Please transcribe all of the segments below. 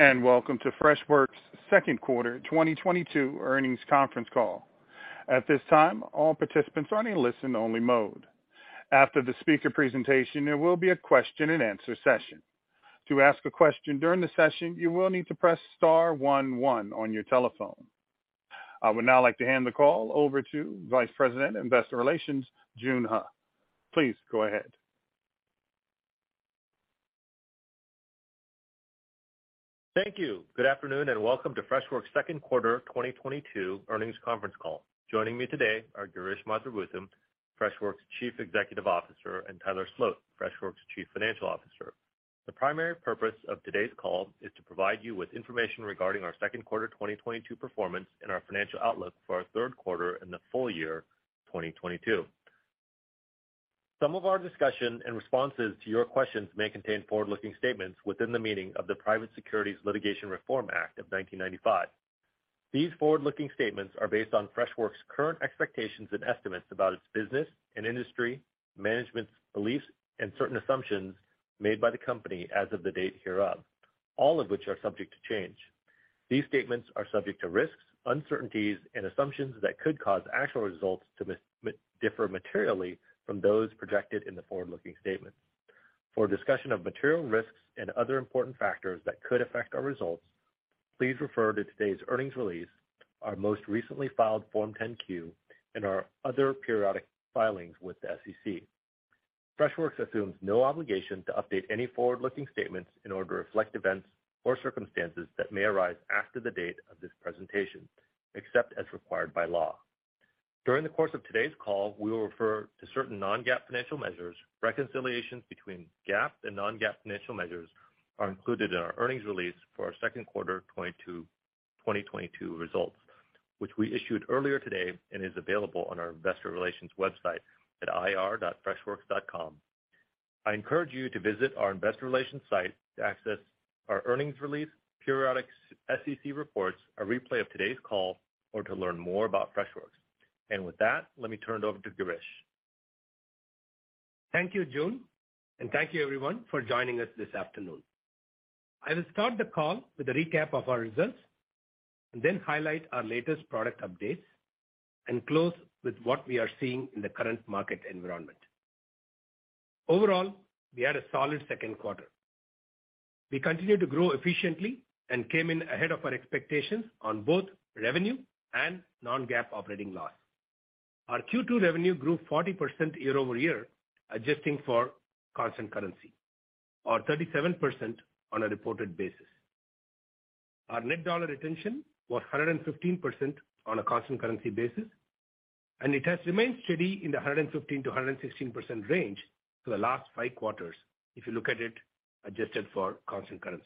Welcome to Freshworks' second quarter 2022 earnings conference call. At this time, all participants are in a listen only mode. After the speaker presentation, there will be a question and answer session. To ask a question during the session, you will need to press star one one on your telephone. I would now like to hand the call over to Vice President of Investor Relations, Joon Huh. Please go ahead. Thank you. Good afternoon, and welcome to Freshworks' second quarter 2022 earnings conference call. Joining me today are Girish Mathrubootham, Freshworks' Chief Executive Officer, and Tyler Sloat, Freshworks' Chief Financial Officer. The primary purpose of today's call is to provide you with information regarding our second quarter 2022 performance and our financial outlook for our third quarter and the full-year 2022. Some of our discussion and responses to your questions may contain forward-looking statements within the meaning of the Private Securities Litigation Reform Act of 1995. These forward-looking statements are based on Freshworks' current expectations and estimates about its business and industry, management's beliefs, and certain assumptions made by the company as of the date hereof, all of which are subject to change. These statements are subject to risks, uncertainties, and assumptions that could cause actual results to differ materially from those projected in the forward-looking statement. For a discussion of material risks and other important factors that could affect our results, please refer to today's earnings release, our most recently filed Form 10-Q, and our other periodic filings with the SEC. Freshworks assumes no obligation to update any forward-looking statements in order to reflect events or circumstances that may arise after the date of this presentation, except as required by law. During the course of today's call, we will refer to certain non-GAAP financial measures. Reconciliations between GAAP and non-GAAP financial measures are included in our earnings release for our second quarter 2022 results, which we issued earlier today and is available on our Investor Relations website at ir.freshworks.com. I encourage you to visit our Investor Relations site to access our earnings release, periodic SEC reports, a replay of today's call, or to learn more about Freshworks. With that, let me turn it over to Girish. Thank you, Joon, and thank you everyone for joining us this afternoon. I will start the call with a recap of our results, and then highlight our latest product updates, and close with what we are seeing in the current market environment. Overall, we had a solid second quarter. We continued to grow efficiently and came in ahead of our expectations on both revenue and non-GAAP operating loss. Our Q2 revenue grew 40% year-over-year, adjusting for constant currency, or 37% on a reported basis. Our net dollar retention was 115% on a constant currency basis, and it has remained steady in the 115%-116% range for the last five quarters if you look at it adjusted for constant currency.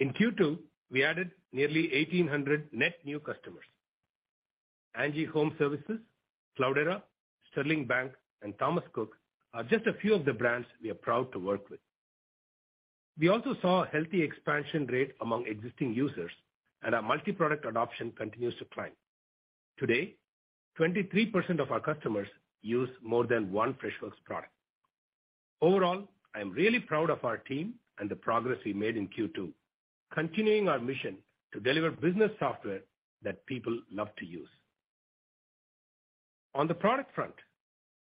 In Q2, we added nearly 1,800 net new customers. Angi Home Services, Cloudera, Sterling Bank, and Thomas Cook are just a few of the brands we are proud to work with. We also saw a healthy expansion rate among existing users, and our multi-product adoption continues to climb. Today, 23% of our customers use more than one Freshworks product. Overall, I am really proud of our team and the progress we made in Q2, continuing our mission to deliver business software that people love to use. On the product front,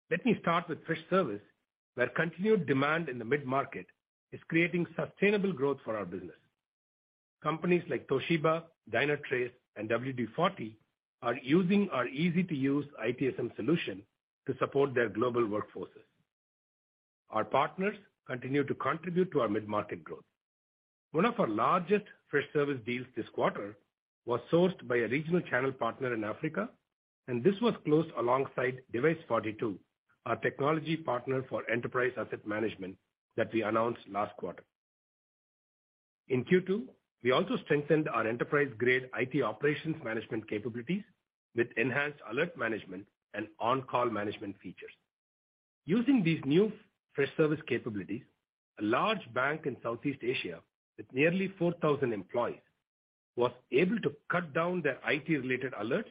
let me start with Freshservice, where continued demand in the mid-market is creating sustainable growth for our business. Companies like Toshiba, Dynatrace, and WD-40 are using our easy-to-use ITSM solution to support their global workforces. Our partners continue to contribute to our mid-market growth. One of our largest Freshservice deals this quarter was sourced by a regional channel partner in Africa, and this was closed alongside Device42, our technology partner for enterprise asset management that we announced last quarter. In Q2, we also strengthened our enterprise-grade IT operations management capabilities with enhanced alert management and on-call management features. Using these new Freshservice capabilities, a large bank in Southeast Asia with nearly 4,000 employees was able to cut down their IT-related alerts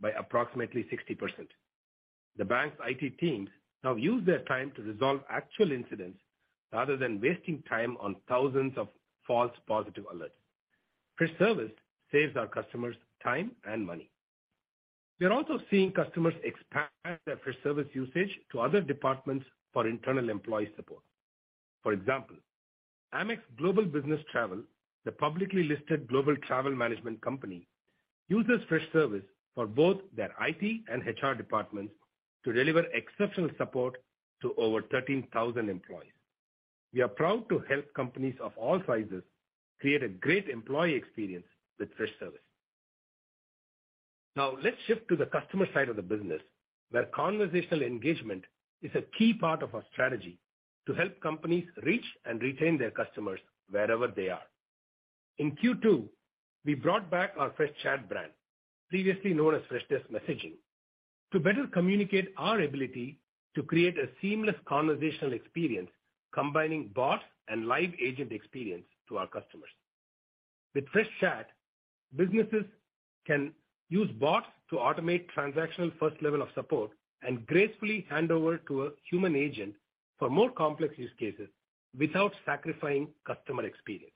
by approximately 60%. The bank's IT teams now use their time to resolve actual incidents rather than wasting time on thousands of false-positive alerts. Freshservice saves our customers time and money. We are also seeing customers expand their Freshservice usage to other departments for internal employee support. For example, American Express Global Business Travel, the publicly listed global travel management company, uses Freshservice for both their IT and HR departments to deliver exceptional support to over 13,000 employees. We are proud to help companies of all sizes create a great employee experience with Freshservice. Now let's shift to the customer side of the business, where conversational engagement is a key part of our strategy to help companies reach and retain their customers wherever they are. In Q2, we brought back our Freshchat brand, previously known as Freshdesk Messaging, to better communicate our ability to create a seamless conversational experience combining bot and live agent experience to our customers. With Freshchat, businesses can use bots to automate transactional first level of support and gracefully hand over to a human agent for more complex use cases without sacrificing customer experience.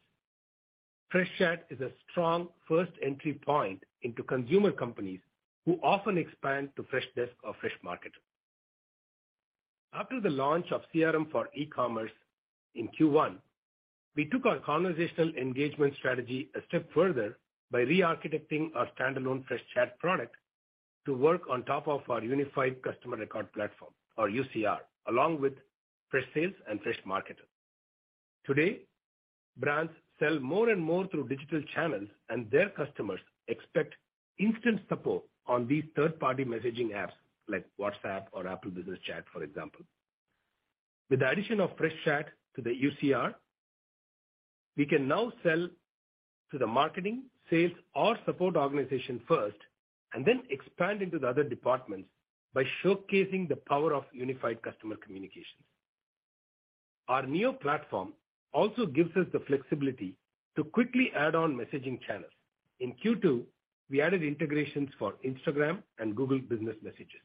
Freshchat is a strong first entry point into consumer companies who often expand to Freshdesk or Freshmarketer. After the launch of CRM for e-commerce in Q1, we took our conversational engagement strategy a step further by re-architecting our standalone Freshchat product to work on top of our unified customer record platform, or UCR, along with Freshsales and Freshmarketer. Today, brands sell more and more through digital channels, and their customers expect instant support on these third-party messaging apps like WhatsApp or Apple Business Chat, for example. With the addition of Freshchat to the UCR, we can now sell to the marketing, sales, or support organization first, and then expand into the other departments by showcasing the power of unified customer communications. Our Neo platform also gives us the flexibility to quickly add on messaging channels. In Q2, we added integrations for Instagram and Google Business Messages.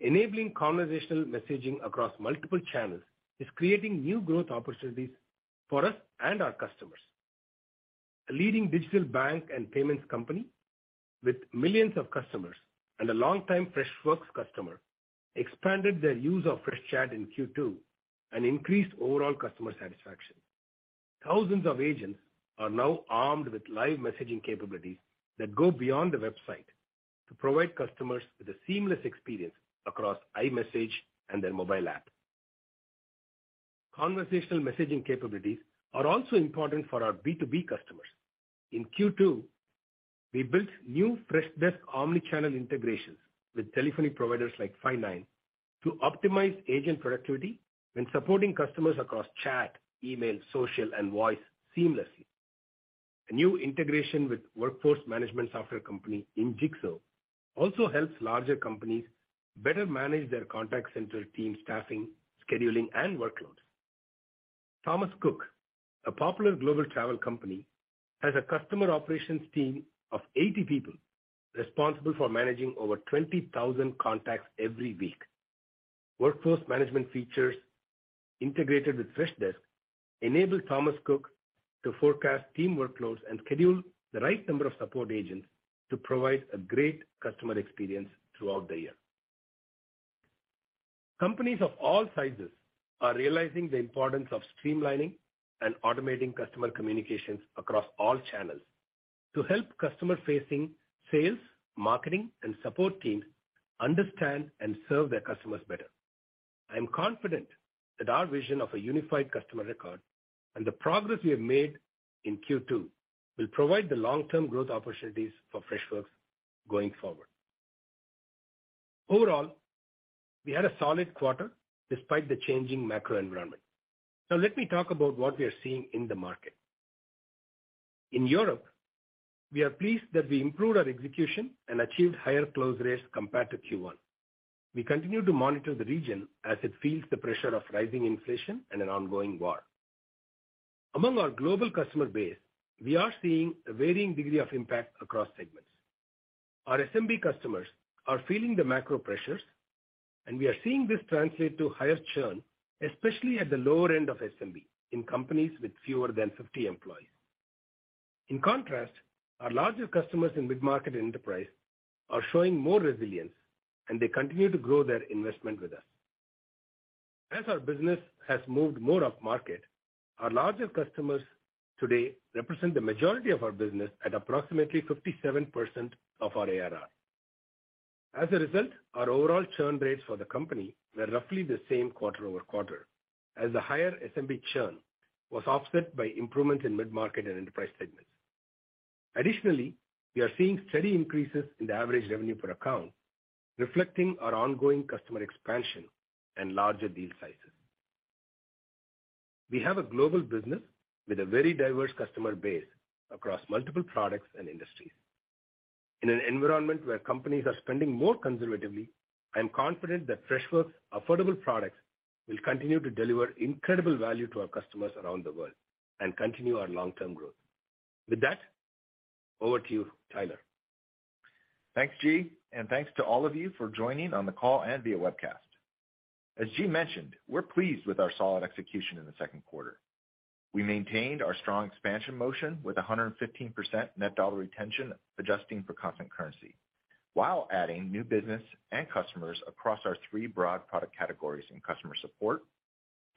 Enabling conversational messaging across multiple channels is creating new growth opportunities for us and our customers. A leading digital bank and payments company with millions of customers and a long-time Freshworks customer expanded their use of Freshchat in Q2 and increased overall customer satisfaction. Thousands of agents are now armed with live messaging capabilities that go beyond the website to provide customers with a seamless experience across iMessage and their mobile app. Conversational messaging capabilities are also important for our B2B customers. In Q2, we built new Freshdesk omnichannel integrations with telephony providers like Five9 to optimize agent productivity when supporting customers across chat, email, social, and voice seamlessly. A new integration with workforce management software company, injixo, also helps larger companies better manage their contact center team staffing, scheduling, and workloads. Thomas Cook, a popular global travel company, has a customer operations team of 80 people responsible for managing over 20,000 contacts every week. Workforce management features integrated with Freshdesk enable Thomas Cook to forecast team workloads and schedule the right number of support agents to provide a great customer experience throughout the year. Companies of all sizes are realizing the importance of streamlining and automating customer communications across all channels to help customer-facing sales, marketing, and support teams understand and serve their customers better. I'm confident that our vision of a unified customer record and the progress we have made in Q2 will provide the long-term growth opportunities for Freshworks going forward. Overall, we had a solid quarter despite the changing macro environment. Let me talk about what we are seeing in the market. In Europe, we are pleased that we improved our execution and achieved higher close rates compared to Q1. We continue to monitor the region as it feels the pressure of rising inflation and an ongoing war. Among our global customer base, we are seeing a varying degree of impact across segments. Our SMB customers are feeling the macro pressures, and we are seeing this translate to higher churn, especially at the lower end of SMB in companies with fewer than 50 employees. In contrast, our larger customers in mid-market enterprise are showing more resilience, and they continue to grow their investment with us. As our business has moved more upmarket, our larger customers today represent the majority of our business at approximately 57% of our ARR. As a result, our overall churn rates for the company were roughly the same quarter-over-quarter as the higher SMB churn was offset by improvements in mid-market and enterprise segments. Additionally, we are seeing steady increases in the average revenue per account, reflecting our ongoing customer expansion and larger deal sizes. We have a global business with a very diverse customer base across multiple products and industries. In an environment where companies are spending more conservatively, I am confident that Freshworks' affordable products will continue to deliver incredible value to our customers around the world and continue our long-term growth. With that, over to you, Tyler. Thanks, Girish. Thanks to all of you for joining on the call and via webcast. As Girish mentioned, we're pleased with our solid execution in the second quarter. We maintained our strong expansion motion with 115% net dollar retention, adjusting for constant currency, while adding new business and customers across our three broad product categories in customer support,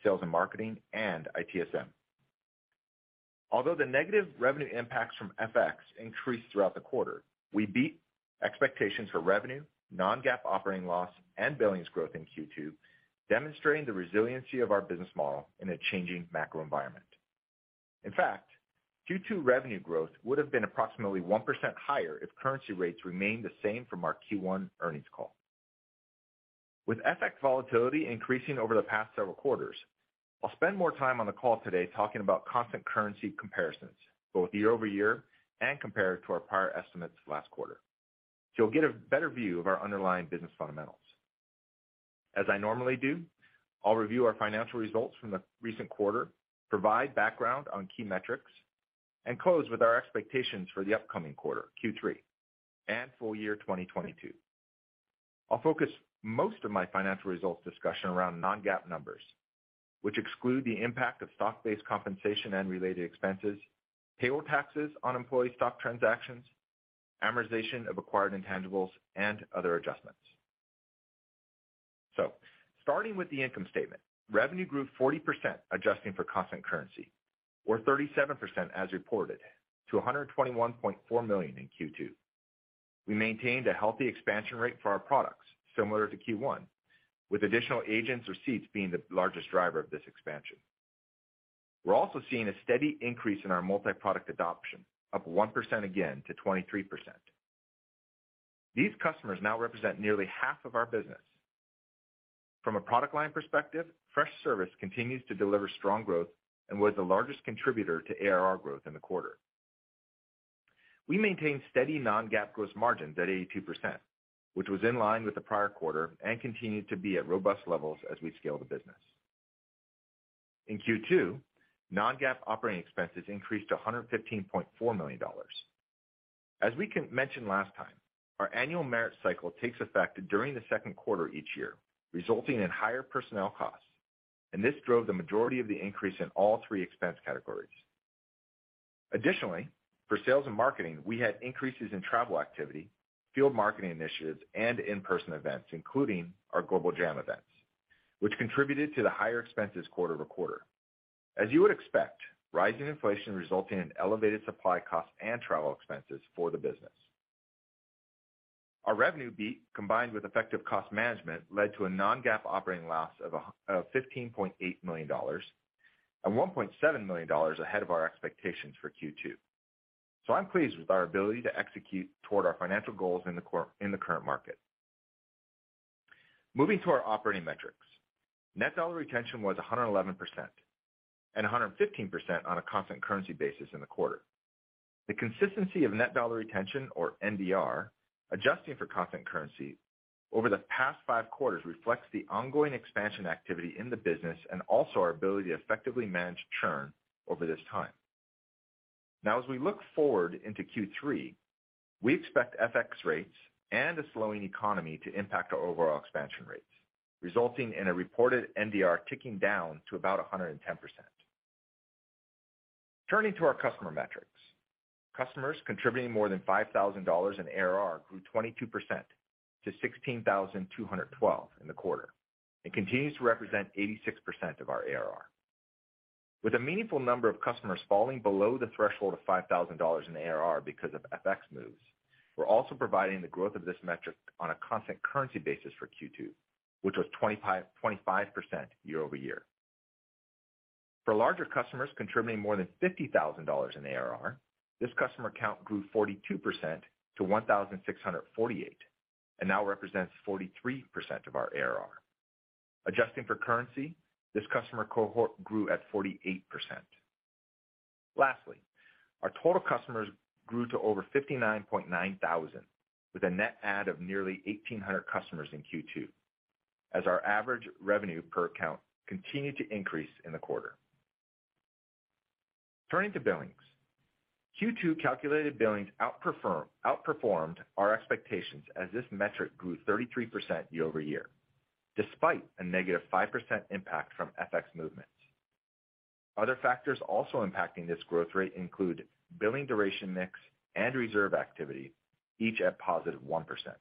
sales and marketing, and ITSM. Although the negative revenue impacts from FX increased throughout the quarter, we beat expectations for revenue, non-GAAP operating loss, and billings growth in Q2, demonstrating the resiliency of our business model in a changing macro environment. In fact, Q2 revenue growth would have been approximately 1% higher if currency rates remained the same from our Q1 earnings call. With FX volatility increasing over the past several quarters, I'll spend more time on the call today talking about constant currency comparisons, both year-over-year and compared to our prior estimates last quarter, so you'll get a better view of our underlying business fundamentals. As I normally do, I'll review our financial results from the recent quarter, provide background on key metrics, and close with our expectations for the upcoming quarter, Q3 and full-year 2022. I'll focus most of my financial results discussion around non-GAAP numbers, which exclude the impact of stock-based compensation and related expenses, payroll taxes on employee stock transactions, amortization of acquired intangibles, and other adjustments. Starting with the income statement. Revenue grew 40% adjusting for constant currency, or 37% as reported to $121.4 million in Q2. We maintained a healthy expansion rate for our products similar to Q1, with additional agents or seats being the largest driver of this expansion. We're also seeing a steady increase in our multi-product adoption up 1% again to 23%. These customers now represent nearly half of our business. From a product line perspective, Freshservice continues to deliver strong growth and was the largest contributor to ARR growth in the quarter. We maintained steady non-GAAP gross margins at 82%, which was in line with the prior quarter and continued to be at robust levels as we scale the business. In Q2, non-GAAP operating expenses increased to $115.4 million. As we mentioned last time, our annual merit cycle takes effect during the second quarter each year, resulting in higher personnel costs, and this drove the majority of the increase in all three expense categories. Additionally, for sales and marketing, we had increases in travel activity, field marketing initiatives, and in-person events, including our global jam events, which contributed to the higher expenses quarter-over-quarter. As you would expect, rising inflation resulting in elevated supply costs and travel expenses for the business. Our revenue beat, combined with effective cost management led to a non-GAAP operating loss of $15.8 million and $1.7 million ahead of our expectations for Q2. I'm pleased with our ability to execute toward our financial goals in the current market. Moving to our operating metrics. Net dollar retention was 111% and 115% on a constant currency basis in the quarter. The consistency of net dollar retention or NDR adjusting for constant currency over the past five quarters reflects the ongoing expansion activity in the business and also our ability to effectively manage churn over this time. Now, as we look forward into Q3, we expect FX rates and a slowing economy to impact our overall expansion rates, resulting in a reported NDR ticking down to about 110%. Turning to our customer metrics. Customers contributing more than $5,000 in ARR grew 22% to 16,212 in the quarter and continues to represent 86% of our ARR. With a meaningful number of customers falling below the threshold of $5,000 in ARR because of FX moves, we're also providing the growth of this metric on a constant currency basis for Q2, which was 25% year-over-year. For larger customers contributing more than $50,000 in ARR, this customer count grew 42% to 1,648 and now represents 43% of our ARR. Adjusting for currency, this customer cohort grew at 48%. Lastly, our total customers grew to over 59,900 with a net add of nearly 1,800 customers in Q2 as our average revenue per account continued to increase in the quarter. Turning to billings. Q2 calculated billings outperformed our expectations as this metric grew 33% year-over-year despite a -5% impact from FX movements. Other factors also impacting this growth rate include billing duration mix and reserve activity, each at +1%.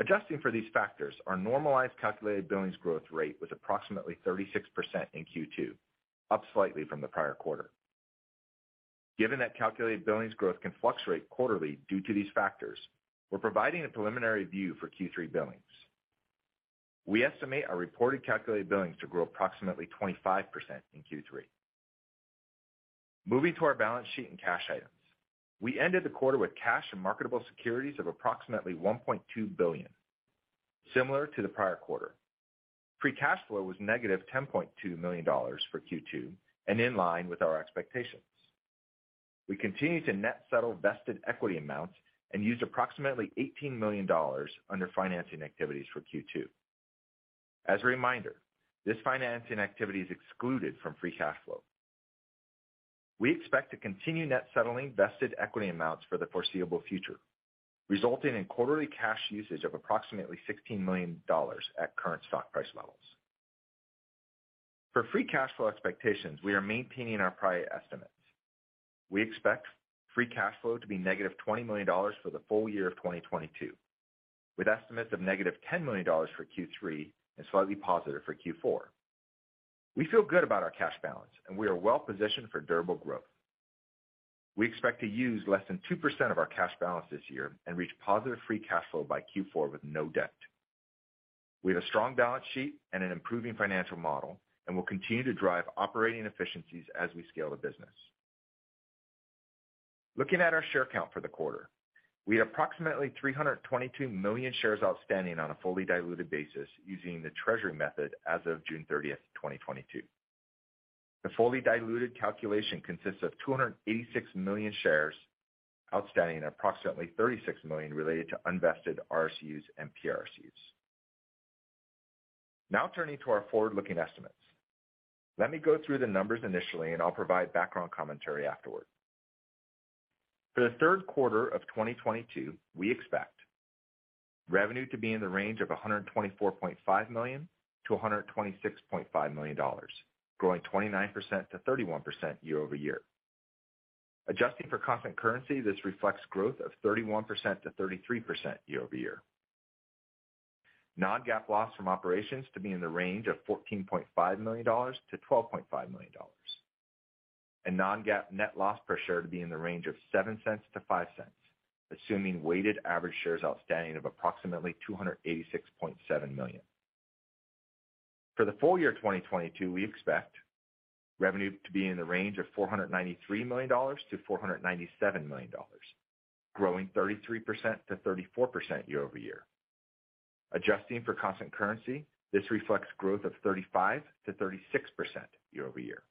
Adjusting for these factors, our normalized calculated billings growth rate was approximately 36% in Q2, up slightly from the prior quarter. Given that calculated billings growth can fluctuate quarterly due to these factors, we're providing a preliminary view for Q3 billings. We estimate our reported calculated billings to grow approximately 25% in Q3. Moving to our balance sheet and cash items. We ended the quarter with cash and marketable securities of approximately $1.2 billion, similar to the prior quarter. Free cash flow was -$10.2 million for Q2 and in line with our expectations. We continue to net settle vested equity amounts and used approximately $18 million under financing activities for Q2. As a reminder, this financing activity is excluded from free cash flow. We expect to continue net settling vested equity amounts for the foreseeable future, resulting in quarterly cash usage of approximately $16 million at current stock price levels. For free cash flow expectations, we are maintaining our prior estimates. We expect free cash flow to be negative $20 million for the full-year of 2022, with estimates of negative $10 million for Q3 and slightly positive for Q4. We feel good about our cash balance, and we are well positioned for durable growth. We expect to use less than 2% of our cash balance this year and reach positive free cash flow by Q4 with no debt. We have a strong balance sheet and an improving financial model, and we'll continue to drive operating efficiencies as we scale the business. Looking at our share count for the quarter, we had approximately 322 million shares outstanding on a fully diluted basis using the treasury method as of June 30, 2022. The fully diluted calculation consists of 286 million shares outstanding and approximately 36 million related to unvested RSUs and PSUs. Now turning to our forward-looking estimates. Let me go through the numbers initially, and I'll provide background commentary afterward. For the third quarter of 2022, we expect revenue to be in the range of $124.5 million-$126.5 million, growing 29%-31% year-over-year. Adjusting for constant currency, this reflects growth of 31%-33% year-over-year. Non-GAAP loss from operations to be in the range of $14.5 million-$12.5 million. Non-GAAP net loss per share to be in the range of $0.07-$0.05, assuming weighted average shares outstanding of approximately 286.7 million. For the full-year 2022, we expect revenue to be in the range of $493 million-$497 million, growing 33%-34% year-over-year. Adjusting for constant currency, this reflects growth of 35%-36% year-over-year.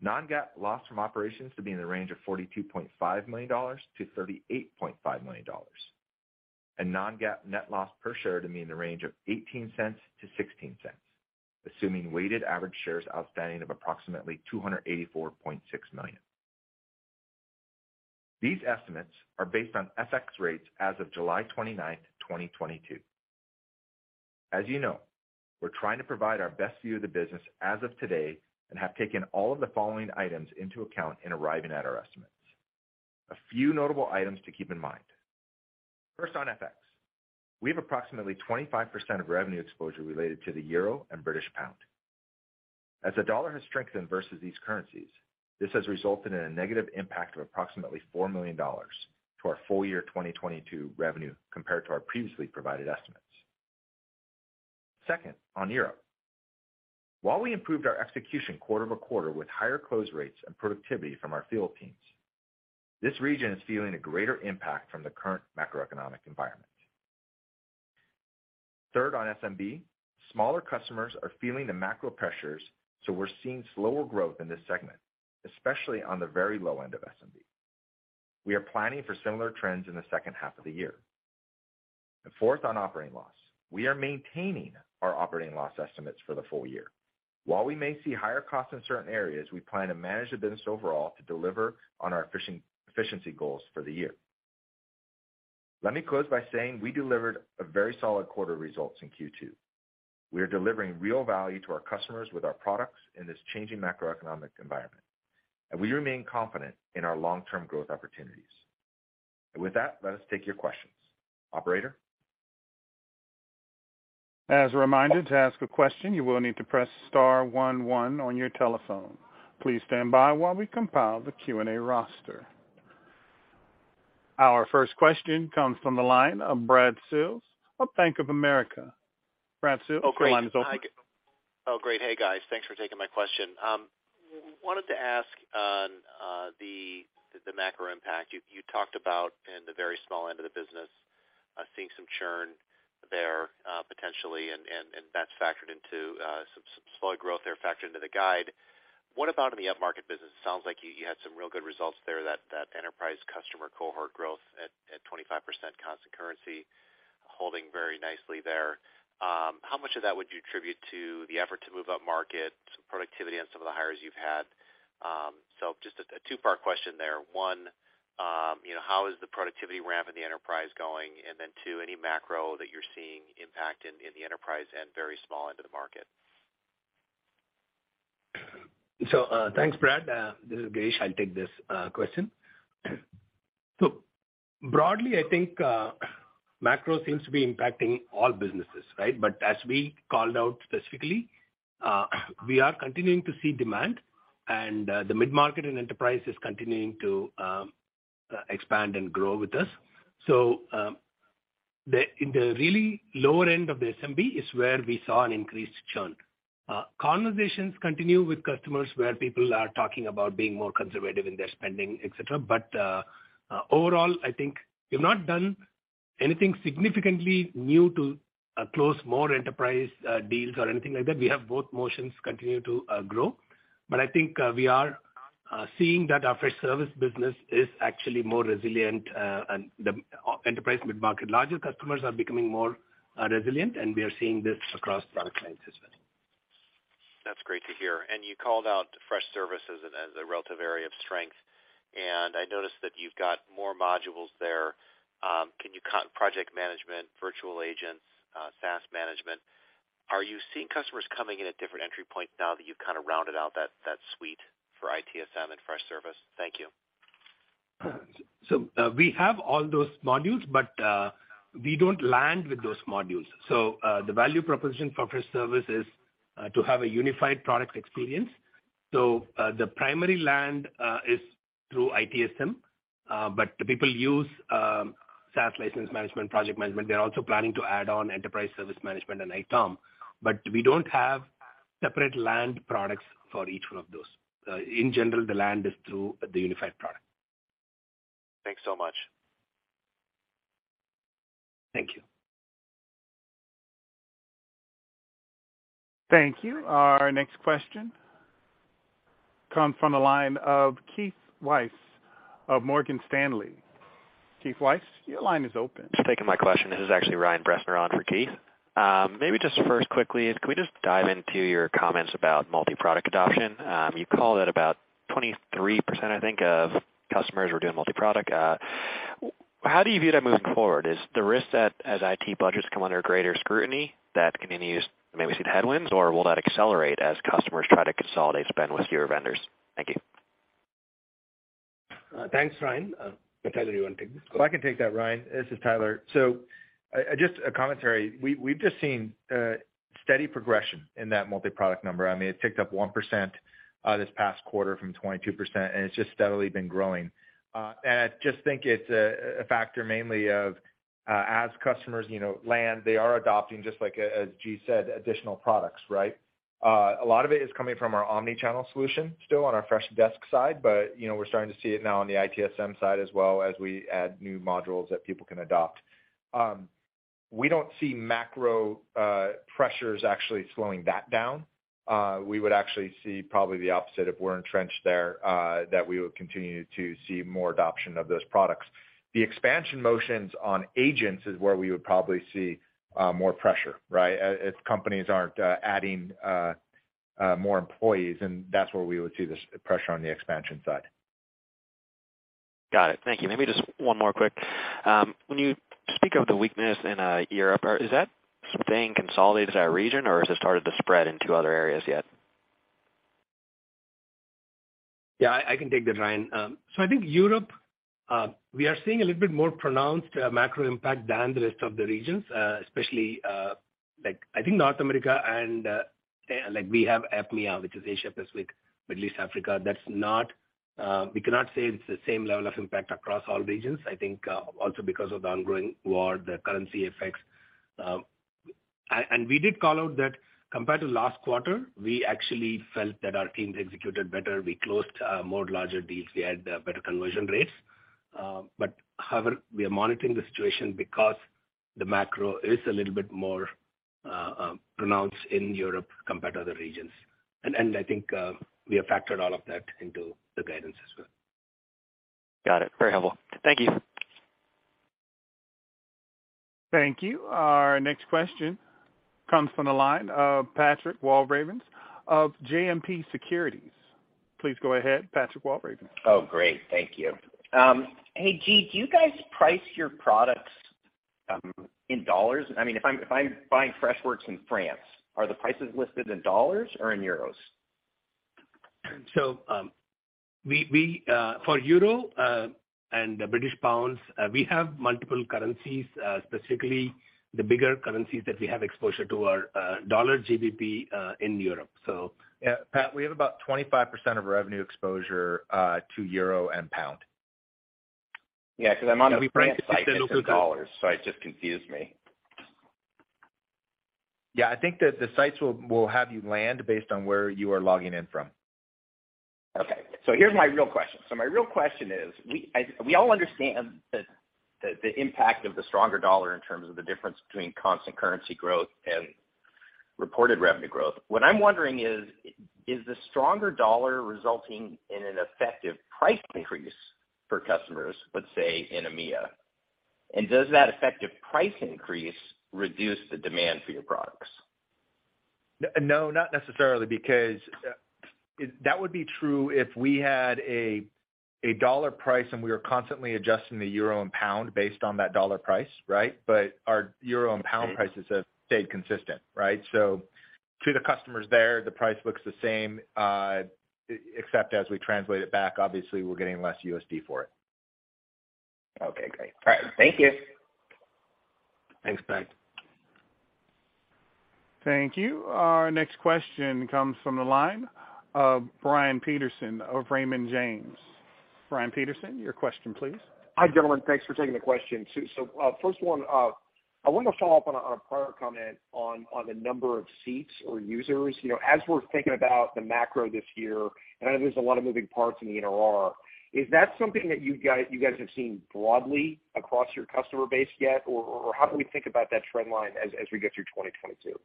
Non-GAAP loss from operations to be in the range of $42.5 million-$38.5 million. Non-GAAP net loss per share to be in the range of $0.18-$0.16, assuming weighted average shares outstanding of approximately 284.6 million. These estimates are based on FX rates as of July 29, 2022. As you know, we're trying to provide our best view of the business as of today and have taken all of the following items into account in arriving at our estimates. A few notable items to keep in mind. First, on FX, we have approximately 25% of revenue exposure related to the euro and British pound. As the dollar has strengthened versus these currencies, this has resulted in a negative impact of approximately $4 million to our full-year 2022 revenue compared to our previously provided estimates. Second, on Europe, while we improved our execution quarter-over-quarter with higher close rates and productivity from our field teams, this region is feeling a greater impact from the current macroeconomic environment. Third, on SMB, smaller customers are feeling the macro pressures, so we're seeing slower growth in this segment, especially on the very low end of SMB. We are planning for similar trends in the second half of the year. Fourth, on operating loss. We are maintaining our operating loss estimates for the full-year. While we may see higher costs in certain areas, we plan to manage the business overall to deliver on our efficiency goals for the year. Let me close by saying we delivered a very solid quarter results in Q2. We are delivering real value to our customers with our products in this changing macroeconomic environment, and we remain confident in our long-term growth opportunities. With that, let us take your questions. Operator? As a reminder, to ask a question, you will need to press star one one on your telephone. Please stand by while we compile the Q&A roster. Our first question comes from the line of Brad Sills of Bank of America. Brad Sills, your line is open. Oh, great. Hey, guys. Thanks for taking my question. Wanted to ask on the macro impact. You talked about in the very small end of the business seeing some churn there potentially and that's factored into some slower growth there factored into the guide. What about in the upmarket business? It sounds like you had some real good results there, that enterprise customer cohort growth at 25% constant currency holding very nicely there. How much of that would you attribute to the effort to move upmarket, some productivity on some of the hires you've had? Just a two-part question there. One, you know, how is the productivity ramp in the enterprise going? Two, any macro that you're seeing impact in the enterprise and very small end of the market? Thanks, Brad. This is Girish. I'll take this question. Broadly, I think macro seems to be impacting all businesses, right? As we called out specifically, we are continuing to see demand and the mid-market and enterprise is continuing to expand and grow with us. In the really lower end of the SMB is where we saw an increased churn. Conversations continue with customers where people are talking about being more conservative in their spending, et cetera. Overall, I think we've not done anything significantly new to close more enterprise deals or anything like that. We have both motions continue to grow. I think we are seeing that our Freshservice business is actually more resilient, and the enterprise mid-market larger customers are becoming more resilient, and we are seeing this across product lines as well. That's great to hear. You called out Freshservice as a relative area of strength. I noticed that you've got more modules there. Can you comment on project management, virtual agents, SaaS management? Are you seeing customers coming in at different entry points now that you've kind of rounded out that suite for ITSM and Freshservice? Thank you. We have all those modules, but we don't land with those modules. The value proposition for Freshservice is to have a unified product experience. The primary land is through ITSM, but people use SaaS license management, project management. They're also planning to add on enterprise service management and ITOM, but we don't have separate land products for each one of those. In general, the land is through the unified product. Thanks so much. Thank you. Thank you. Our next question comes from the line of Keith Weiss of Morgan Stanley. Keith Weiss, your line is open. Thanks for taking my question. This is actually Ryan Bressner on for Keith. Maybe just first quickly, can we just dive into your comments about multi-product adoption? You called it about 23%, I think, of customers were doing multi-product. How do you view that moving forward? Is the risk that as IT budgets come under greater scrutiny, that can then maybe see the headwinds or will that accelerate as customers try to consolidate spend with your vendors? Thank you. Thanks, Ryan. Tyler, you wanna take this? Well, I can take that, Ryan. This is Tyler. I just a commentary. We've just seen steady progression in that multi-product number. I mean, it ticked up 1% this past quarter from 22%, and it's just steadily been growing. I just think it's a factor mainly of, as customers, you know, land, they are adopting just like as G said, additional products, right? A lot of it is coming from our omnichannel solution still on our Freshdesk side, but you know, we're starting to see it now on the ITSM side as well as we add new modules that people can adopt. We don't see macro pressures actually slowing that down. We would actually see probably the opposite if we're entrenched there, that we would continue to see more adoption of those products. The expansion motions on agents is where we would probably see more pressure, right? If companies aren't adding more employees, and that's where we would see this pressure on the expansion side. Got it. Thank you. Maybe just one more quick. When you speak of the weakness in Europe, is that staying consolidated to that region or has it started to spread into other areas yet? Yeah, I can take that, Ryan. So I think Europe, we are seeing a little bit more pronounced macro impact than the rest of the regions, especially like I think North America and like we have APMEA, which is Asia-Pacific, Middle East, Africa. That's not, we cannot say it's the same level of impact across all regions, I think, also because of the ongoing war, the currency effects. And we did call out that compared to last quarter, we actually felt that our teams executed better. We closed more larger deals. We had better conversion rates. But however, we are monitoring the situation because the macro is a little bit more pronounced in Europe compared to other regions. I think we have factored all of that into the guidance as well. Got it. Very helpful. Thank you. Thank you. Our next question comes from the line of Patrick Walravens of JMP Securities. Please go ahead, Patrick Walravens. Oh, great. Thank you. Hey, Girish, do you guys price your products in dollars? I mean, if I'm buying Freshworks in France, are the prices listed in dollars or in euros? For euro and British pounds, we have multiple currencies, specifically the bigger currencies that we have exposure to are dollar, GBP in Europe. Yeah, Pat, we have about 25% of revenue exposure to euro and pound. Yeah, 'cause I'm on the French site and it says dollars, so it just confused me. Yeah, I think that the sites will have you land based on where you are logging in from. Okay. Here's my real question. We all understand the impact of the stronger dollar in terms of the difference between constant currency growth and reported revenue growth. What I'm wondering is the stronger dollar resulting in an effective price increase for customers, let's say, in EMEA? Does that effective price increase reduce the demand for your products? No, not necessarily, because that would be true if we had a dollar price, and we were constantly adjusting the euro and pound based on that dollar price, right? But our euro and pound prices have stayed consistent, right? So to the customers there, the price looks the same, except as we translate it back, obviously, we're getting less USD for it. Okay, great. All right. Thank you. Thanks, Pat. Thank you. Our next question comes from the line of Brian Peterson of Raymond James. Brian Peterson, your question, please. Hi, gentlemen. Thanks for taking the question. First one, I wanted to follow up on a prior comment on the number of seats or users. You know, as we're thinking about the macro this year, I know there's a lot of moving parts in the NRR. Is that something that you guys have seen broadly across your customer base yet? Or how can we think about that trend line as we get through 2022?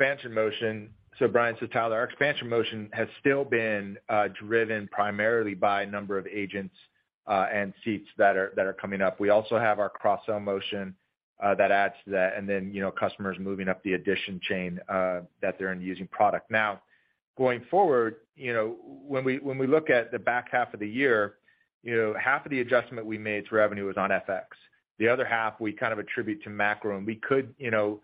Expansion motion. Brian, Tyler, our expansion motion has still been driven primarily by number of agents and seats that are coming up. We also have our cross-sell motion that adds to that. Then, you know, customers moving up the adoption chain that they're using product. Now, going forward, you know, when we look at the back half of the year, you know, half of the adjustment we made to revenue was on FX. The other half we kind of attribute to macro. We could, you know,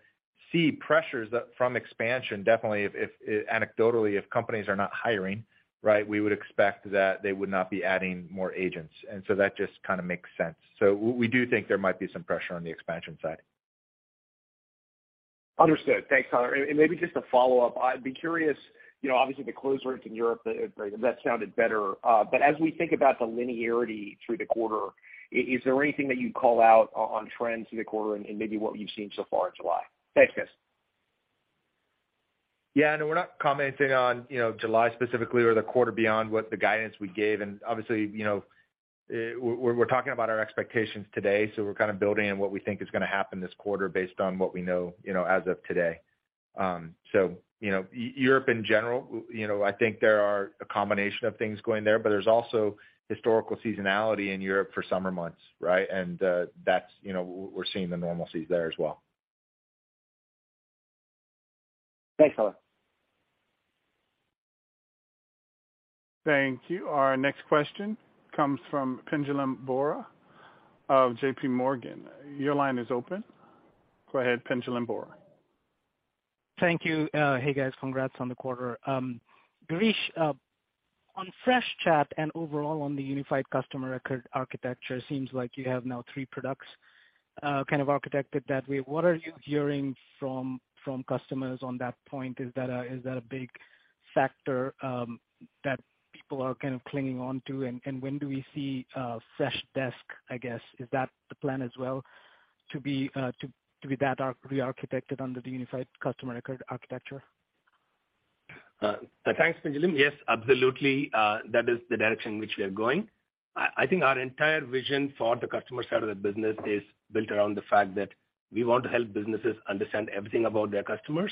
see pressures from expansion, definitely if anecdotally companies are not hiring, right? We would expect that they would not be adding more agents. That just kinda makes sense. We do think there might be some pressure on the expansion side. Understood. Thanks, Tyler. Maybe just a follow-up. I'd be curious, you know, obviously, the close rates in Europe that sounded better. As we think about the linearity through the quarter, is there anything that you'd call out on trends through the quarter and maybe what you've seen so far in July? Thanks, guys. Yeah, no, we're not commenting on, you know, July specifically or the quarter beyond what the guidance we gave. Obviously, you know, we're talking about our expectations today, so we're kind of building on what we think is gonna happen this quarter based on what we know, you know, as of today. Europe in general, you know, I think there are a combination of things going there, but there's also historical seasonality in Europe for summer months, right? That's, you know, we're seeing the normalcies there as well. Thanks, Tyler. Thank you. Our next question comes from Pinjalim Bora of JPMorgan. Your line is open. Go ahead, Pinjalim Bora. Thank you. Hey, guys, congrats on the quarter. Girish, on Freshchat and overall on the unified customer record architecture, seems like you have now three products kind of architected that way. What are you hearing from customers on that point? Is that a big factor that people are kind of clinging on to? When do we see Freshdesk, I guess? Is that the plan as well, to be re-architected under the unified customer record architecture? Thanks, Pinjalim. Yes, absolutely. That is the direction which we are going. I think our entire vision for the customer side of the business is built around the fact that we want to help businesses understand everything about their customers.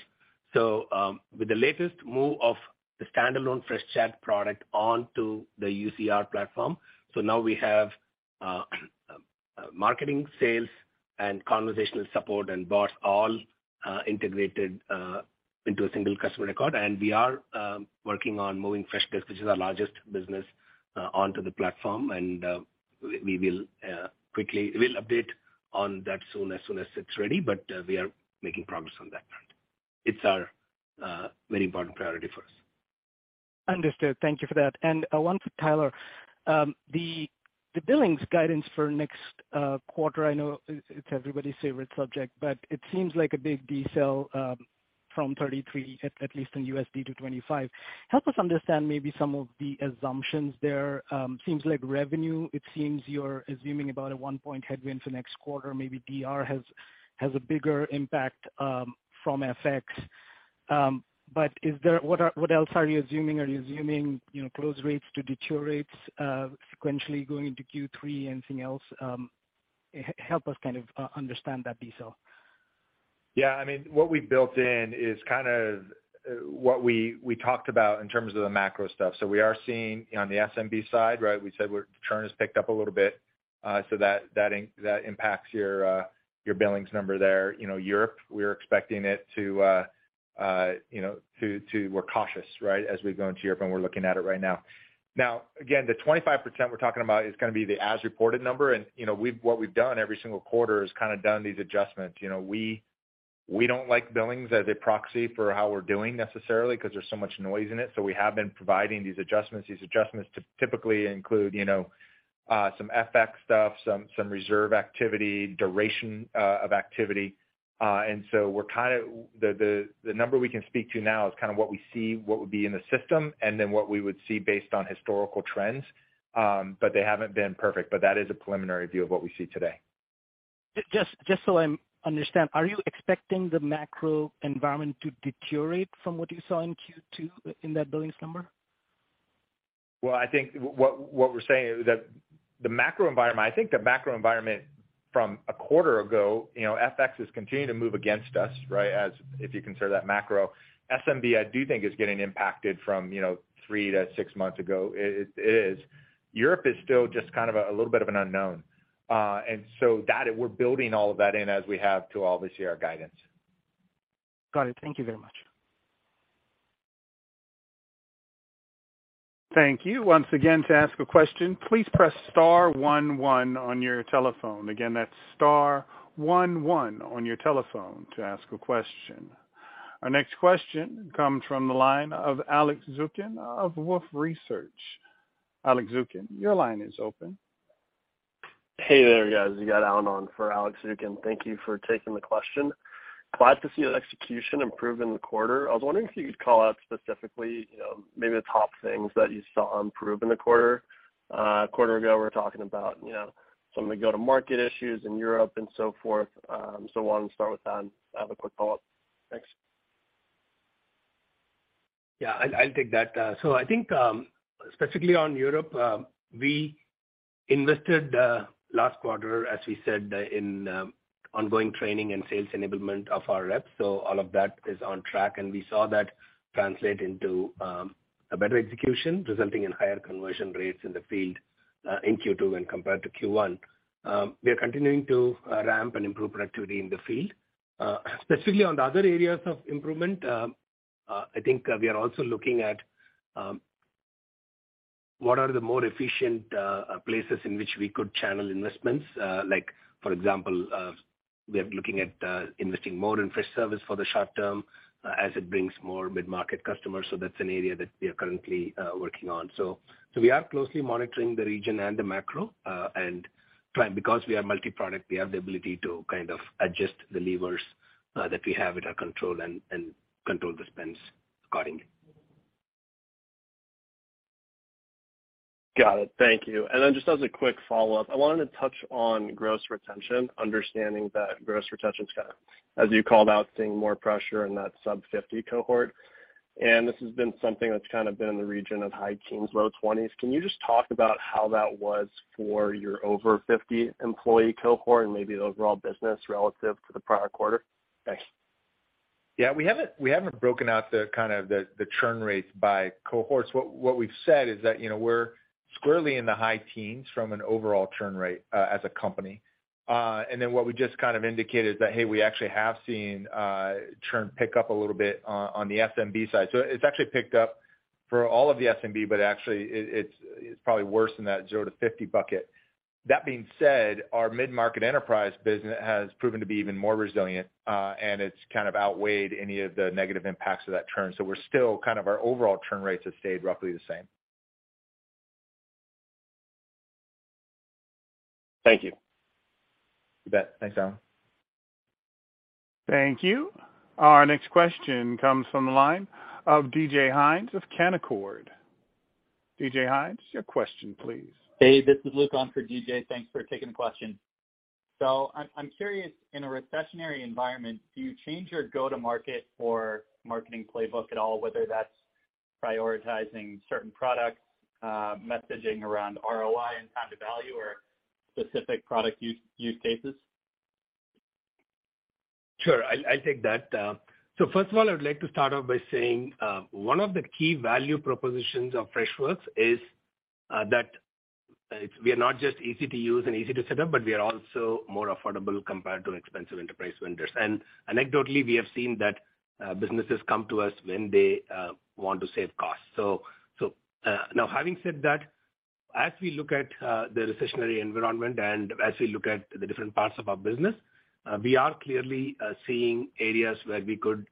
With the latest move of the standalone Freshchat product onto the UCR platform, now we have marketing, sales, and conversational support and bots all integrated into a single customer record. We are working on moving Freshdesk, which is our largest business, onto the platform, and we will quickly update on that soon, as soon as it's ready, but we are making progress on that front. It's our very important priority for us. Understood. Thank you for that. One for Tyler. The billings guidance for next quarter, I know it's everybody's favorite subject, but it seems like a big decel from 33%, at least in USD, to 25%. Help us understand maybe some of the assumptions there. Seems like revenue, it seems you're assuming about a one-point headwind for next quarter, maybe NDR has a bigger impact from FX. But is there what else are you assuming? Are you assuming, you know, close rates to deteriorate sequentially going into Q3? Anything else. Help us kind of understand that decel. I mean, what we built in is kind of what we talked about in terms of the macro stuff. We are seeing on the SMB side, right? We said churn has picked up a little bit, so that impacts your billings number there. You know, Europe, we're expecting it to be cautious, right? As we go into Europe, and we're looking at it right now. Now, again, the 25% we're talking about is gonna be the as-reported number. You know, what we've done every single quarter is kinda done these adjustments. You know, we don't like billings as a proxy for how we're doing necessarily 'cause there's so much noise in it, so we have been providing these adjustments. These adjustments typically include, you know, some FX stuff, some reserve activity, duration of activity. The number we can speak to now is kinda what we see what would be in the system and then what we would see based on historical trends, but they haven't been perfect. That is a preliminary view of what we see today. Just so I'm understanding, are you expecting the macro environment to deteriorate from what you saw in Q2 in that billings number? Well, I think what we're saying is that the macro environment, I think the macro environment from a quarter ago, you know, FX has continued to move against us, right? As if you consider that macro. SMB, I do think, is getting impacted from, you know, three to six months ago. It is. Europe is still just kind of a little bit of an unknown. That, we're building all of that in as we have to all this year guidance. Got it. Thank you very much. Thank you. Once again, to ask a question, please press star one one on your telephone. Again, that's star one one on your telephone to ask a question. Our next question comes from the line of Alex Zukin of Wolfe Research. Alex Zukin, your line is open. Hey there, guys. You got Allan on for Alex Zukin. Thank you for taking the question. Glad to see the execution improve in the quarter. I was wondering if you could call out specifically, you know, maybe the top things that you saw improve in the quarter. A quarter ago, we were talking about, you know, some of the go-to-market issues in Europe and so forth, so why don't we start with that? I have a quick follow-up. Thanks. Yeah, I'll take that. I think, specifically on Europe, we invested last quarter, as we said, in ongoing training and sales enablement of our reps. All of that is on track, and we saw that translate into a better execution, resulting in higher conversion rates in the field in Q2 when compared to Q1. We are continuing to ramp and improve productivity in the field. Specifically on the other areas of improvement, I think we are also looking at what are the more efficient places in which we could channel investments. Like for example, we are looking at investing more in Freshservice for the short term, as it brings more mid-market customers, so that's an area that we are currently working on. We are closely monitoring the region and the macro. Because we are multi-product, we have the ability to kind of adjust the levers that we have at our control and control the spends accordingly. Got it. Thank you. Just as a quick follow-up, I wanted to touch on gross retention, understanding that gross retention is kind of, as you called out, seeing more pressure in that sub-50 cohort. This has been something that's kind of been in the region of high teens-low 20s. Can you just talk about how that was for your over 50 employee cohort and maybe the overall business relative to the prior quarter? Thanks. Yeah, we haven't broken out the churn rates by cohorts. What we've said is that, you know, we're squarely in the high teens from an overall churn rate as a company. What we just kind of indicated is that, hey, we actually have seen churn pick up a little bit on the SMB side. It's actually picked up for all of the SMB, but actually it's probably worse in that zero to 50 bucket. That being said, our mid-market enterprise business has proven to be even more resilient, and it's kind of outweighed any of the negative impacts of that churn. We're still kind of our overall churn rates have stayed roughly the same. Thank you. You bet. Thanks, Allan. Thank you. Our next question comes from the line of DJ Hynes with Canaccord. DJ Hynes, your question, please. Hey, this is Luke on for DJ. Thanks for taking the question. I'm curious, in a recessionary environment, do you change your go-to-market or marketing playbook at all, whether that's prioritizing certain products, messaging around ROI and time to value or specific product use cases? Sure. I'll take that. So first of all, I would like to start off by saying one of the key value propositions of Freshworks is that we are not just easy to use and easy to set up, but we are also more affordable compared to expensive enterprise vendors. Anecdotally, we have seen that businesses come to us when they want to save costs. Now having said that, as we look at the recessionary environment and as we look at the different parts of our business, we are clearly seeing areas where we could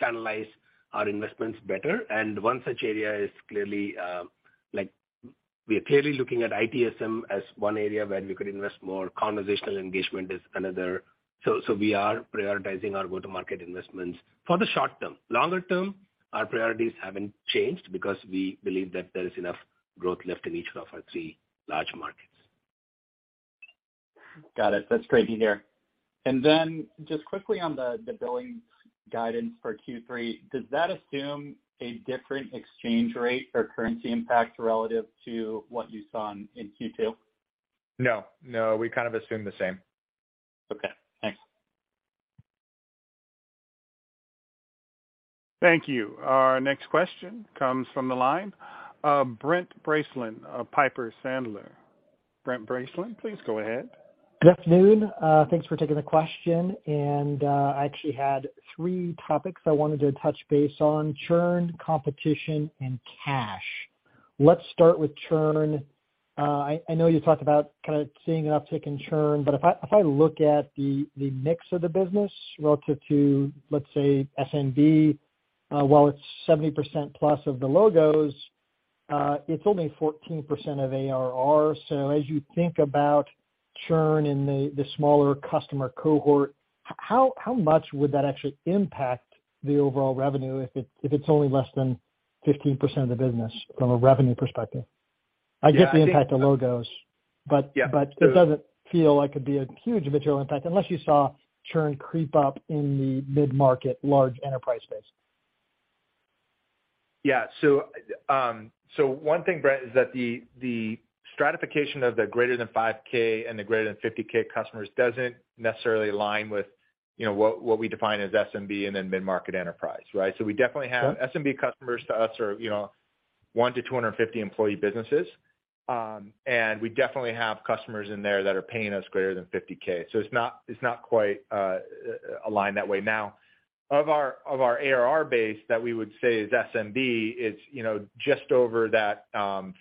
channelize our investments better. One such area is clearly like we are clearly looking at ITSM as one area where we could invest more. Conversational engagement is another. We are prioritizing our go-to-market investments for the short term. Longer term, our priorities haven't changed because we believe that there is enough growth left in each of our three large markets. Got it. That's great to hear. Just quickly on the billings guidance for Q3, does that assume a different exchange rate or currency impact relative to what you saw in Q2? No, no. We kind of assume the same. Okay. Thanks. Thank you. Our next question comes from the line of Brent Bracelin of Piper Sandler. Brent Bracelin, please go ahead. Good afternoon. Thanks for taking the question. I actually had three topics I wanted to touch base on, churn, competition, and cash. Let's start with churn. I know you talked about kind of seeing an uptick in churn, but if I look at the mix of the business relative to, let's say, SMB, while it's 70% plus of the logos, it's only 14% of ARR. So as you think about churn in the smaller customer cohort, how much would that actually impact the overall revenue if it's only less than 15% of the business from a revenue perspective? I get the impact to logos, but- Yeah. It doesn't feel like it'd be a huge material impact unless you saw churn creep up in the mid-market large enterprise space. One thing, Brent, is that the stratification of the greater than $5,000 and the greater than $50,000 customers doesn't necessarily align with, you know, what we define as SMB and then mid-market enterprise, right? Okay. We definitely have SMB customers to us are one to 250 employee businesses. We definitely have customers in there that are paying us greater than $50K. It's not quite aligned that way. Of our ARR base that we would say is SMB, it's just over that 40%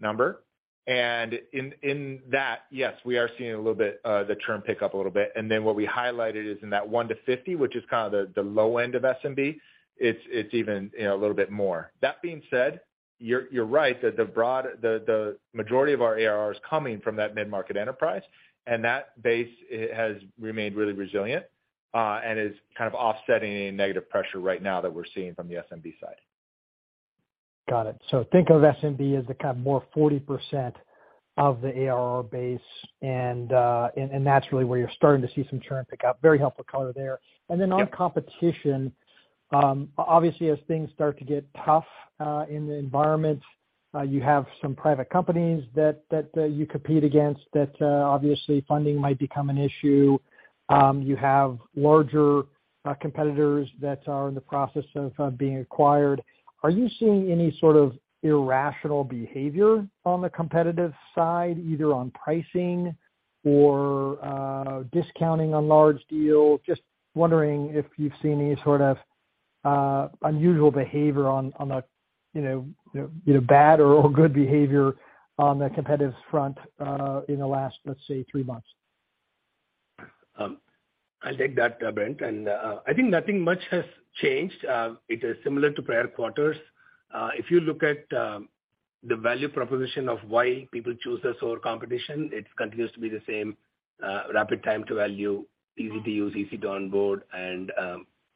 number. In that, yes, we are seeing a little bit the churn pick up a little bit. What we highlighted is in that one to 50, which is kind of the low end of SMB, it's even a little bit more. That being said, you're right that the majority of our ARR is coming from that mid-market enterprise, and that base, it has remained really resilient, and is kind of offsetting any negative pressure right now that we're seeing from the SMB side. Got it. Think of SMB as the kind of more 40% of the ARR base and that's really where you're starting to see some churn pick up. Very helpful color there. Yeah. On competition, obviously as things start to get tough in the environment, you have some private companies that you compete against that obviously funding might become an issue. You have larger competitors that are in the process of being acquired. Are you seeing any sort of irrational behavior on the competitive side, either on pricing or discounting on large deals? Just wondering if you've seen any sort of unusual behavior on a you know bad or good behavior on the competitive front in the last, let's say, three months. I'll take that, Brent. I think nothing much has changed. It is similar to prior quarters. If you look at the value proposition of why people choose us over competition, it continues to be the same, rapid time to value, easy to use, easy to onboard and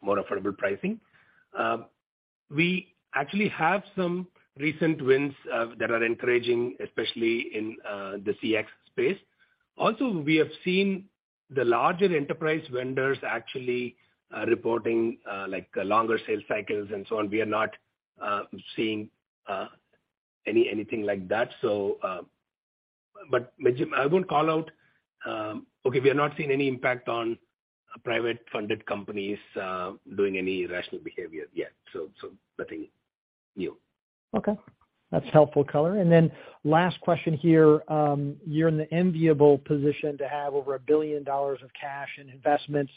more affordable pricing. We actually have some recent wins that are encouraging, especially in the CX space. Also, we have seen the larger enterprise vendors actually reporting like longer sales cycles and so on. We are not seeing anything like that. MAJIN, I won't call out. Okay, we are not seeing any impact on private funded companies doing any rational behavior yet. Nothing new. Okay. That's helpful color. Last question here. You're in the enviable position to have over $1 billion of cash in investments.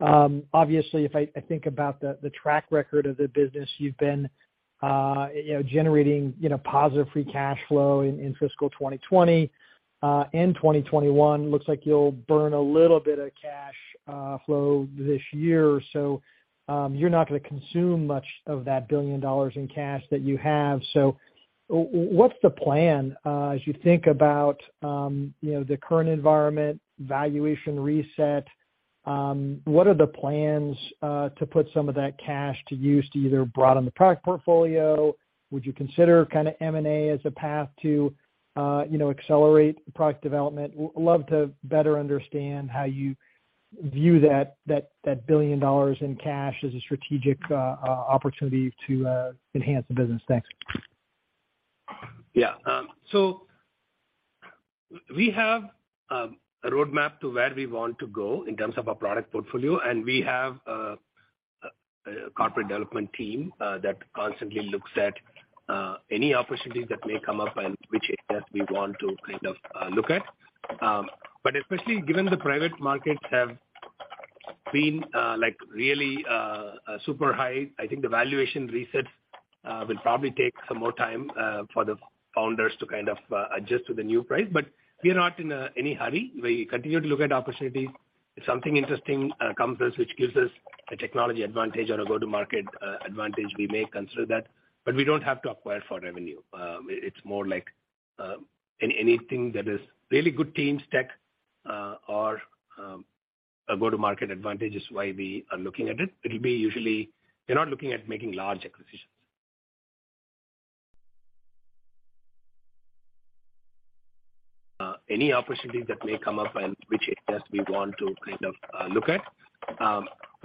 Obviously, if I think about the track record of the business, you've been generating positive free cash flow in fiscal 2020. In 2021, looks like you'll burn a little bit of cash flow this year. You're not gonna consume much of that $1 billion in cash that you have. What's the plan as you think about the current environment, valuation reset, what are the plans to put some of that cash to use to either broaden the product portfolio? Would you consider kinda M&A as a path to accelerate product development? We love to better understand how you view that $1 billion in cash as a strategic opportunity to enhance the business. Thanks. Yeah. We have a roadmap to where we want to go in terms of our product portfolio, and we have a corporate development team that constantly looks at any opportunities that may come up and which areas we want to kind of look at. Especially given the private markets have been like really super high, I think the valuation reset will probably take some more time for the founders to kind of adjust to the new price. We are not in any hurry. We continue to look at opportunities. If something interesting comes to us, which gives us a technology advantage or a go-to-market advantage, we may consider that, but we don't have to acquire for revenue. It's more like, anything that is really good tech stack, or a go-to-market advantage is why we are looking at it. It'll be usually. We're not looking at making large acquisitions. Any opportunity that may come up and which areas we want to kind of look at.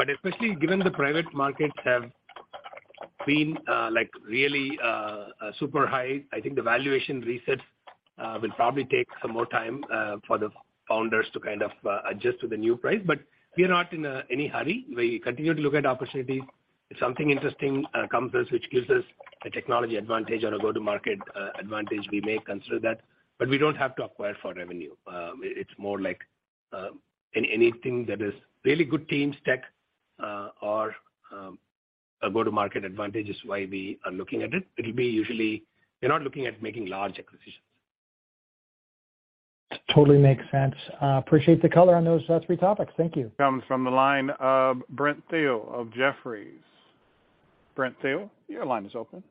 Especially given the private markets have been, like really, super high. I think the valuation reset will probably take some more time for the founders to kind of adjust to the new price. We are not in any hurry. We continue to look at opportunities. If something interesting comes to us, which gives us a technology advantage or a go-to-market advantage, we may consider that, but we don't have to acquire for revenue. It's more like anything that is really good tech stack or a go-to-market advantage is why we are looking at it. It'll be usually. We're not looking at making large acquisitions. Totally makes sense. Appreciate the color on those three topics. Thank you. Comes from the line of Brent Thill of Jefferies. Brent Thill, your line is open.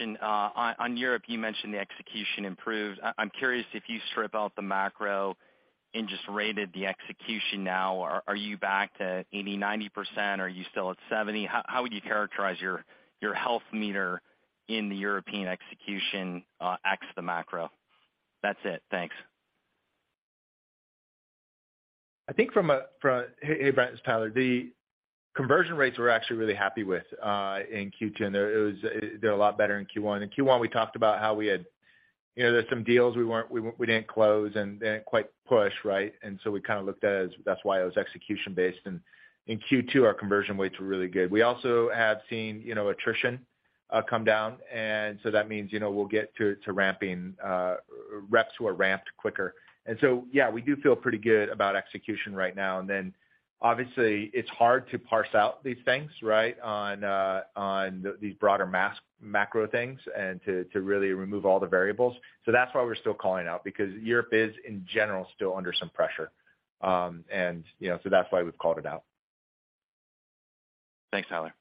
On Europe, you mentioned the execution improved. I'm curious if you strip out the macro and just rate the execution now, are you back to 80%, 90%? Are you still at 70%? How would you characterize your health meter in the European execution, ex the macro? That's it. Thanks. I think, Hey, Brent. It's Tyler. The conversion rates we're actually really happy with in Q2. They're a lot better than in Q1. In Q1, we talked about how we had. You know, there are some deals we didn't close and didn't quite push, right? We kinda looked at it as that's why it was execution based. In Q2, our conversion rates were really good. We also have seen, you know, attrition come down, and that means, you know, we'll get to ramping reps who are ramped quicker. Yeah, we do feel pretty good about execution right now. Obviously it's hard to parse out these things, right, on these broader macro things and to really remove all the variables. That's why we're still calling out because Europe is, in general, still under some pressure. You know, that's why we've called it out. Thanks, Tyler.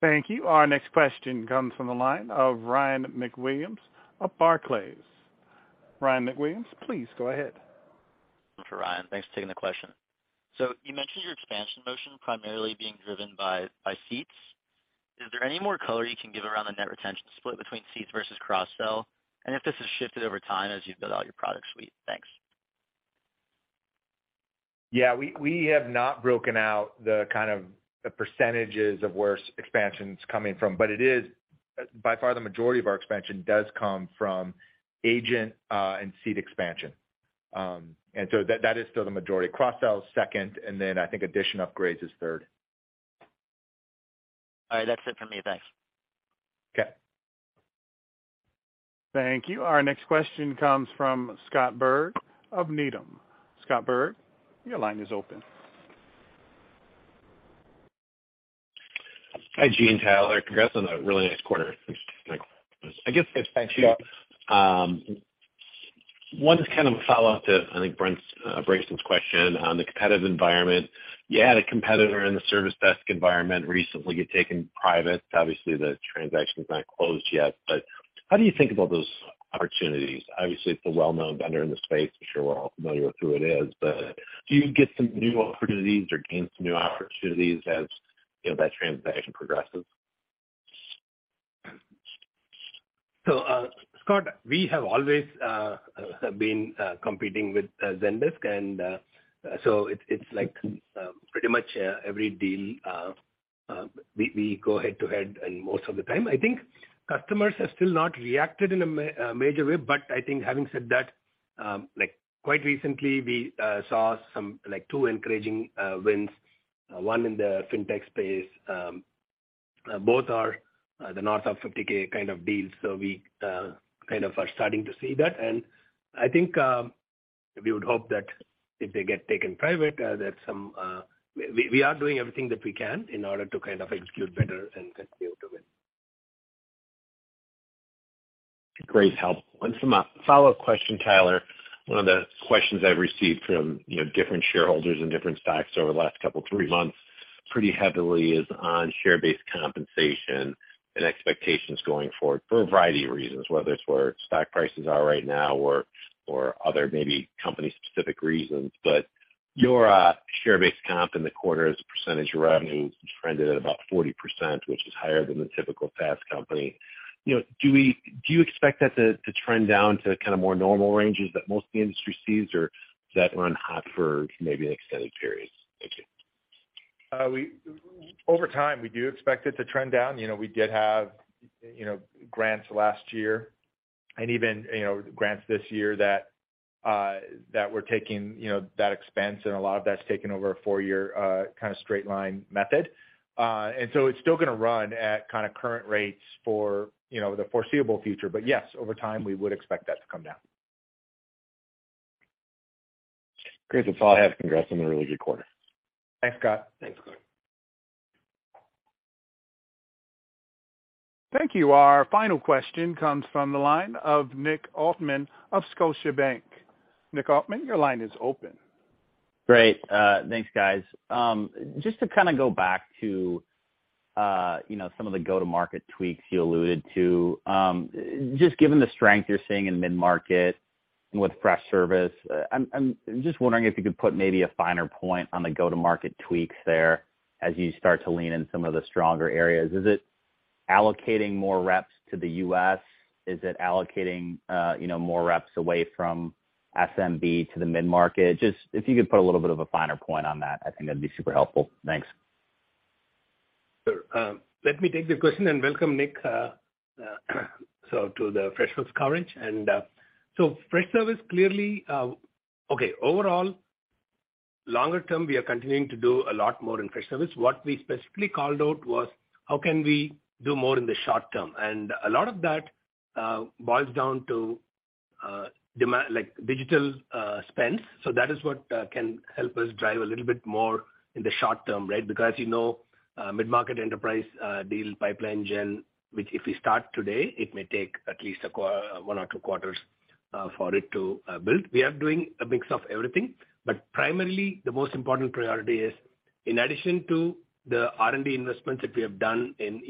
Thank you. Our next question comes from the line of Ryan MacWilliams of Barclays. Ryan MacWilliams, please go ahead. Thanks for taking the question. You mentioned your expansion momentum primarily being driven by seats. Is there any more color you can give around the net retention split between seats versus cross-sell? If this has shifted over time as you've built out your product suite? Thanks. Yeah. We have not broken out the kind of percentages of where expansion's coming from. By far the majority of our expansion does come from agent and seat expansion. That is still the majority. Cross-sell is second, and then I think edition upgrades is third. All right. That's it for me. Thanks. Okay. Thank you. Our next question comes from Scott Berg of Needham. Scott Berg, your line is open. Hi, Girish, Tyler. Congrats on a really nice quarter. Thanks. I guess. Thanks, Scott. One is kind of a follow-up to, I think, Brent Bracelin's question on the competitive environment. You had a competitor in the service desk environment recently get taken private. Obviously, the transaction's not closed yet, but how do you think about those opportunities? Obviously, it's a well-known vendor in the space. I'm sure we're all familiar with who it is. But do you get some new opportunities or gain some new opportunities as, you know, that transaction progresses? Scott, we have always been competing with Zendesk. It's like pretty much every deal we go head-to-head and most of the time. I think customers have still not reacted in a major way. I think having said that, like quite recently we saw some like two encouraging wins, one in the fintech space. Both are north of $50,000 kind of deals. We kind of are starting to see that. I think we would hope that if they get taken private, that some. We are doing everything that we can in order to kind of execute better and continue to win. Great help. One follow-up question, Tyler. One of the questions I've received from, you know, different shareholders and different stakeholders over the last couple, three months, pretty heavily is on share-based compensation and expectations going forward for a variety of reasons, whether it's where stock prices are right now or other maybe company specific reasons. But your share-based comp in the quarter as a percentage of revenue has been trended at about 40%, which is higher than the typical past company. You know, do you expect that to trend down to kind of more normal ranges that most of the industry sees or does that run hot for maybe an extended period? Thank you. Over time, we do expect it to trend down. You know, we did have, you know, grants last year and even, you know, grants this year that we're taking, you know, that expense and a lot of that's taken over a four-year kinda straight line method. It's still gonna run at kinda current rates for, you know, the foreseeable future. Yes, over time, we would expect that to come down. Great. That's all I have. Congrats on a really good quarter. Thanks, Scott. Thanks. Thank you. Our final question comes from the line of Nick Altmann of Scotiabank. Nick Altmann, your line is open. Great. Thanks, guys. Just to kinda go back to, you know, some of the go-to-market tweaks you alluded to. Just given the strength you're seeing in mid-market with Freshservice, I'm just wondering if you could put maybe a finer point on the go-to-market tweaks there as you start to lean in some of the stronger areas. Is it allocating more reps to the U.S.? Is it allocating, you know, more reps away from SMB to the mid-market? Just if you could put a little bit of a finer point on that, I think that'd be super helpful. Thanks. Sure. Let me take the question and welcome Nick to the Freshworks coverage. Freshservice clearly. Overall, longer term, we are continuing to do a lot more in Freshservice. What we specifically called out was how can we do more in the short term? A lot of that boils down to, like digital spends. That is what can help us drive a little bit more in the short term, right? Because, you know, mid-market enterprise deal pipeline gen, which if we start today, it may take at least one or two quarters for it to build. We are doing a mix of everything. Primarily the most important priority is in addition to the R&D investments that we have done in.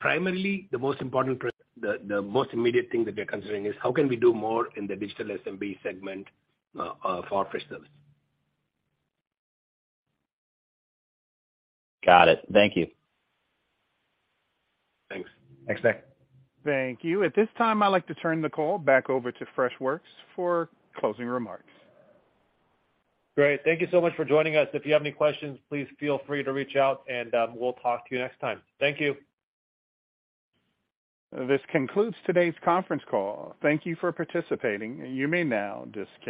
Primarily the most immediate thing that we are considering is how can we do more in the digital SMB segment for Freshservice. Got it. Thank you. Thanks. Thanks, Nick. Thank you. At this time, I'd like to turn the call back over to Freshworks for closing remarks. Great. Thank you so much for joining us. If you have any questions, please feel free to reach out, and we'll talk to you next time. Thank you. This concludes today's conference call. Thank you for participating. You may now disconnect.